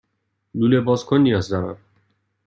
لوله بازکن نیاز دارم.